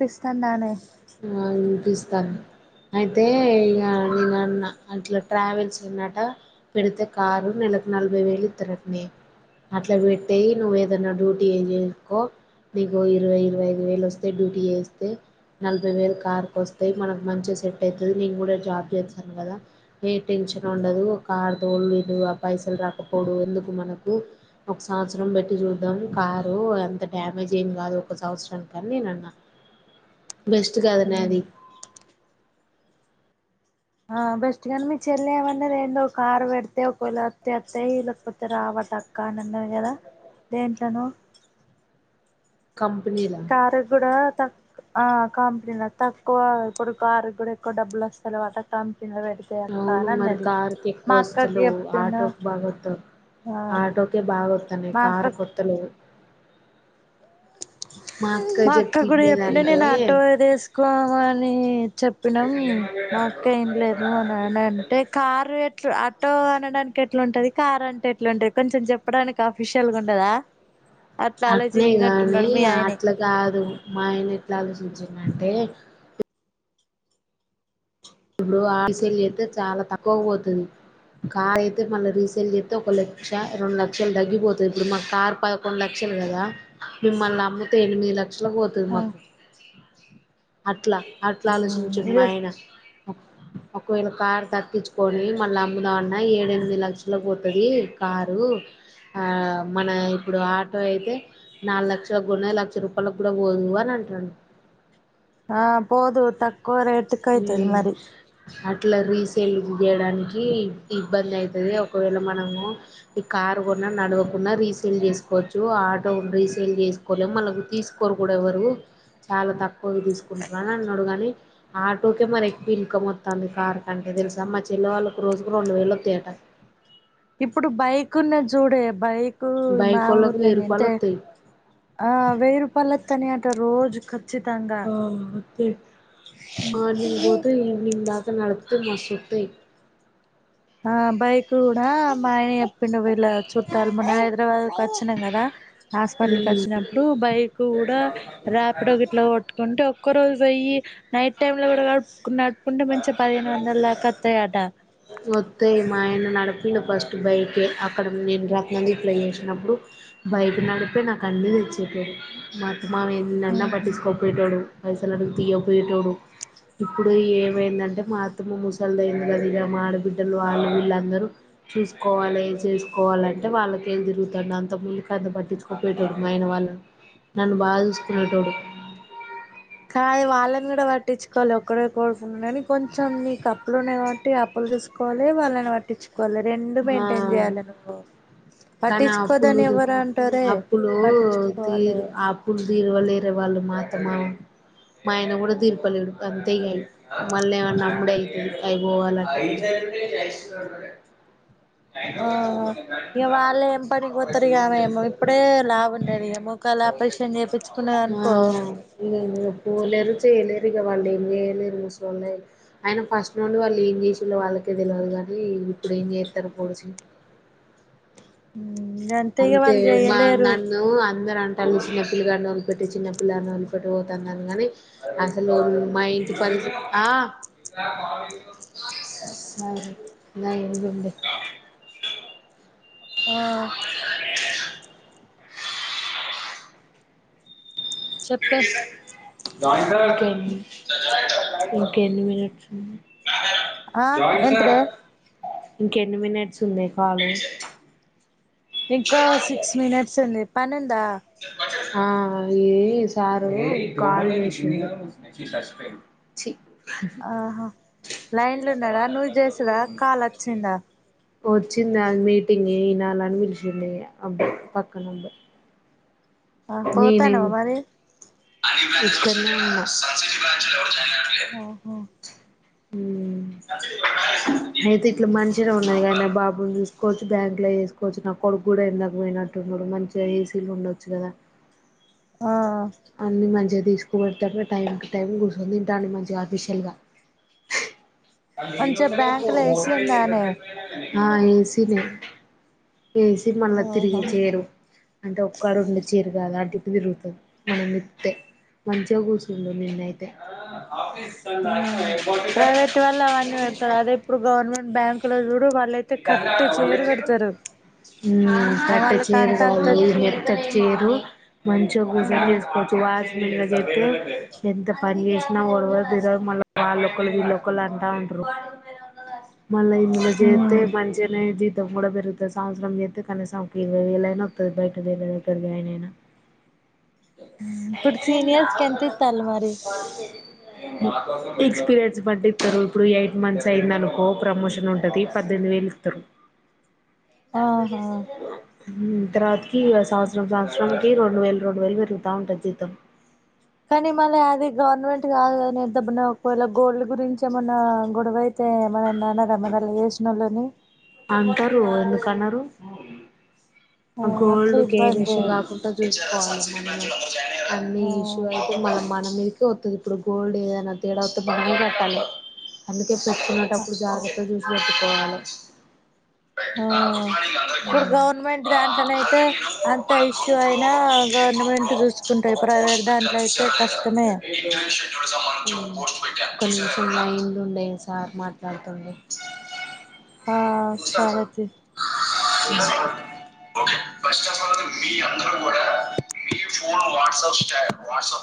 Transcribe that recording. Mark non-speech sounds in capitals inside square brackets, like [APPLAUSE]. పిస్తందానానే ఆ అనిపిస్తాది అయితే ఇగా నేను అన్న అట్లా ట్రావెల్స్ ఏన్నట పెడితే కారు నేను నలభై వేలు ఇస్తారటనే అట్లా పెట్టేయి నువ్వు ఏదైన్నా డ్యూటీ ఎ చేసుకో మీకు ఇరవై ఇరవై ఐదు వేలు వస్తే డ్యూటీ చేస్తే నలభై వేల కార్కు వస్తయి, మనకు మంచిగా సెట్ అవుతుంది. నేను గూడా జాబ్ చేస్తాను, గదా ఏ టెన్షన్ ఉండదు ఒక కార్ తోళ పైసలు రాకపోడు, ఎందుకు మనకు ఒక సంవత్సరం పెట్టి చూదాం కారు ఎంత డ్యామేజ్ అయింది, కాదు ఒక సంవత్సరానికి నేను అన్నా [INAUDIBLE] బెస్ట్ గదనే అది ఆ బెస్ట్ కానీ మీ చెల్లి ఏమన్నది ఏందో ఒక కారు పెడితే ఒకవేళ వస్త వత్తయి లెకపోతే రావ చక్కా నన్నది గదా దేట్లనో కంపెనీలా కారు గూడా త ఆ కంపెనీ తక్కువ ఇప్పుడు కారు గూడా ఎక్కువ డబ్బులు వస్తాలెవట కంపె అవును మరి కార్కి మా ఎక్కువ అక్కకి ఒస్తలేవు చెప్పిన ఆటోకు బాగత్తయి ఆ ఆటోకే బాగొత్తాన్నయి మా అక్కకి కారుకొత్తలేవు మా అక్క చెప్తే కూడ చెప్పిన ఇనలేదంటే నేను ఆటో ఏ తీసుకోమంటే అని చెప్పినాం మాఅక్క ఏం లేదు అని అంటే కార్ ఆటో అనడానికి ఎట్లా ఉంటది కార్ అంటే ఎట్లాంటది కొంచెం చెప్పడానికి ఆఫిషియల్ గా ఉండదా అట్లా ఆలోచించిన కాని అట్లా కాదు మా ఆయన ఎట్లా ఆలోచించిడంటే ఇప్పుడు ఆలశ్యచేస్తే చాలా తక్కువ పోతుంది కార్ అయితే మళ్ళ రీసెల్ చెస్త్ ఒక లక్ష రెండు లక్షలు తగ్గిపోతది ఇప్పుడు మా కార్ పదకొండు లక్ష గదా మల్ల అమ్ముతే ఎనిమిది లక్ష ఎనిమిది లక్ష పోతది మాకు అట్లా అట్లా ఆలోచించండి మా ఆయన [INAUDIBLE] ఒకవేళ కారు తగక్కించుకొని మళ్ళ అమ్ముదామన్న ఏడ ఎనిమిది లక్షల పోతది కారు ఆ మన ఇప్పుడు ఆటో అయితే నాలుగు లక్షలకొన్నది లక్ష రూపాయలకు గూడా పోదు అని ఇటురండి ఆ పోదు తక్కువ రేటుకయతది హ్మ్ మరి అట్లా రీసేల్ చేయడానికి ఇబ్బంది అయితది ఒకవేళ మనము ఈ కార్ కొన్న నడవకున్న రీసేల్ చేసుకోవచ్చు ఆటో రీసేల్ చేసుకోలేం మనకు తీసుకోరు కూడా ఎవరు చాలా తక్కువకు తీసుకుంటున్నా అని అన్నడు గాని ఆటోకే మరి ఎక్కువ ఇన్కమ్ వత్తాంది కార్ కంటే తెలుసా మా చెల్లె వాళ్ళకు రోజుకు రెండు వేలు వత్తయట ఇప్పుడు బైక్ ఉన్నది చూడే బైక్ మా బైకోళ్ళకు వెయ్యి ఊర్లోని రూపాయలు అంటే వత్తాయి ఆ వెయ్యి రూపాయలు వత్తాన్నయి అంట రోజు ఖచ్చితంగా ఆ వత్తయి మార్నింగ్ పోతే ఈవినింగ్ దాక నడిపితే మస్తోత్తయి ఆ బైక్ కూడా మా ఆయనే చెప్పిండు వీళ్ళ చుట్టాలు మొన్న హైదరాబాద్ కొచ్చినం కదా హాస్పిటల్కి వచ్చినప్పుడు బైక్ కూడా హ్మ్ ర్యాపిడో గిట్ల కొట్టుకుంటే ఒక్క రోజు వెయ్యి నైట్ టైమ్ లో కూడా నడుపుకున్న కుంటె మంచిగ పదిహేను వందల దాక వత్తయట వత్తయి మా ఆయన నడిపిండు ఫస్ట్ బైకే అక్కడ నేను రత్నదీప్ల చేసినప్పుడు బైక్ నడిపే నాకు అన్ని తెచ్చేటోడు మా మావయ్య ఎన్నన్న పట్టించుకోకపోయేటోడు పైసలు అడుగుతే ఇయ్యకపోయేటోడు ఇప్పుడు ఏం మైందంటే మా అత్తమ ముసలిదైంది కద ఇగ మా ఆడబిడ్డలు వాళ్ళు వీళ్ళందర చూసుకోవాలి చేసుకోవాలంటే వాళ్ళకేలి తిరుగుతాండు అంతకుముందుకు అంత పట్టించుకోపోయేటోడు మా ఆయన వాళ్ళను నన్ను బాగా చూసుకునేటోడు కాదు వాళ్ళని కూడ పట్టించుకోవాలే ఒకడే కొడుకు కాని కొంచెం నీకు అప్పులున్నయి కాబట్టి అప్పులు చూస్కో కోవాలే వాళ్ళని పట్టించుకోవాలే రెండు మెయింటైన్ ఆ చేయాలి నువ్వు కానీ అప్పులు పట్టించుకోదని ఎవరు అంటారే అప్పులు పట్టించుకోవాలి తీరు ఆ అప్పులు తీర్వలేరు వా వాళ్ళు మా అత్త మామ మా ఆయన కూడ తీర్పలేడు అంతే ఇగ అయ్యి మల్లేమన్న అమ్ముడయితే అయి పోవాలంటే యి హడ్రోగా వాళ్లేం పనికి పోతరు ఇగ ఏమో ఇప్పుడే లావు ఉన్నది ఇగ మోకాళ్ళ ఆపరేషన్ చేపిచుకున్నదనుకో ఆ లే పోలేరు చేయలేరు ఇగ వాళ్ళు ఏం చేయలేరు ముసలోళ్ళు అయిల్లు అయిన ఫస్ట్ నుండి వాళ్ళు ఏం చేసిళ్ళు వాళ్ళకి తెలవదు కానీ ఇప్పుడు ఏం చేస్తరు పోడిచి గంతే ఇగ అంతే వాళ్ళు మా చేయలేరు నన్ను అందర అ టాళ్ళు చిన్న పిలగాని వదిలిపెట్టి చిన్న పిలగాన్ని వదిలిపెట్టి పోతోందనిగాని అసలు మా ఇంటి పని ఆ సరే లైన్ల ఉండే ఆ చెప్పే ఉమ్ ఇంక ఎన్ని మినిట్స్ ఉంది ఆ ఏంటిదే ఇంకెన్ని మినిట్స్ ఉందే కాలు ఇంకా సిక్స్ మినేట్స్ ఉంది పన్నెండు ప ఆ ఈ సారు కాల్ చేసిండు ఆహా లైన్ల ఉన్నడా నువ్వు చేసుడా కాల్ చి వచ్చిందా వచ్చింది అ మీటింగ్ వినాలని పిలిశిండు ఇగ పక్కనోళ్ళు ఆ పోతాన్నవా మరి ఇకడ్నే ఉన్నా ఓహో హు అయితే ఇట్లా మంచిగానే ఉన్నాది కానీ నా బాబుని చూసుకోవచ్చు బ్యాంక్ లో వేసుకోవచ్చు నా కొడుకు కూడా ఎంతక పోయినట్ అడు మంచిగా ఏ సి లో ఉండొచ్చు కదా ఆ అనీ మంచిగా తీసుకు పెడతేటు టైం టు టైం కుసోనీ తింటంది మంచిగా ఆఫిషియల్గా మంచిగా బ్యాంకులో ఏసి ఉందానే ఆ ఏ సి నే ఏ సి మళ్ళా తిరిగి ఆహా చేరు అంటే ఒక్కడు ఉండి చేరు ఇ అలాంటిప్ప తిరుగుతుంది మనం నిప్తే మంచిగా కూర్చుంటు నిన్నయితే ఆఫీస్ ఆ ప్రైవేట్ వల్ల అవన్నీ పెడతారు అదే ఇప్పుడు గవర్నమెంట్ బ్యాంకు లో చూ ఇప్పుడు వాళ్ళుయితే కట్టే చేరు పెడతారు పెట్ట వాళ్ళకి చీరు అంత అంత కాదు ఎత్తటి చీరు మంచ ఓ గుజారి వసుకు వా చెతే ఎంత పని చేసినా జ మళ్ళ వాళ్ళొళ్ళ వీళ్ళొళ్ళ అంటా ఉంటుారు డు మళ్ళ ఇంలో చేతే మంచినేది జీతం కూడా పెరుగుతుంది సంవత్సరం చేస్తతే కనీసం ఒక ఇరవై వేళ్ళు ఐనా వస్తుంది బయట దరే ద్గర జాయిన్ అయినా ఇప్పుడు సీనియర్స్క ఎంత ఈతలు మరి ఎక్స్పీరియన్స్ పట్టిస్తారు ఇప్పుడు ఎయిట్ మంత్స్ అయింది అనుకో ప్రమోషన్ ఉంటుంది పద్దెనిమిది వేలు ఇస్తారు ఆహా తర్వాతకి సంవత్సరం సంవత్సరాంనికి రెండు వేలు రెండు వేలు పెరుగుతా ఉంటది జీతం కానీ మళ్ళీ అది గవర్నమెంట్ కాదునింతమన్నా ఒకవేళ గోల్డ్ గురించి ఏమన్నా గొడవ అతే అ మ నాన్న రమ చేసినళ్ుని అంటారు ఎందుకన్నారు ఆ అట్లా గోల్డ్ కేస్ ఇబ్బంది కాకుండా చూసుకోవాలి మ అన్ని ఇష్యూ ఆ అయితే మ మన మీదకే అవుది ఇప్పుడు గోల్డ్ ఏదనా తేడా అతే బంగ కట్టాలి అ పెట్టుకునేటప్పుడు జాగ్రత్తగా చూసి పెట్టుకోవాలి ఆ ఇప్పుడు గవర్నమెంట్ దాంట్లోనయితే అంత ఇష్యూ అయినా [UNINTELLIGIBLE] గవర్నమెంట్ చూసుకుంటాయి ఒక పోస్ట్ ప్రైవేట్ దాంట్లో పెట్టాను అయితే చూసారా లేదా కష్టమే ఇంటర్వ్యూ కి సంబంధించి ఒక పోస్ట్ కొంచెం మైండ్ ఉండే సార్ మాట్లాడుతుండు ఆ సరేది అ [INAUDIBLE]